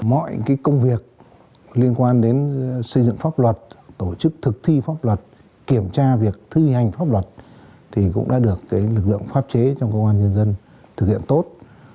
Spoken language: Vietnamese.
mọi công việc liên quan đến xây dựng pháp luật tổ chức thực thi pháp luật kiểm tra việc thi hành pháp luật cũng đã được lực lượng pháp chế trong công an nhân dân thực hiện tốt